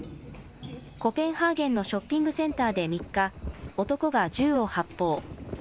コペンハーゲンのショッピングセンターで３日、男が銃を発砲。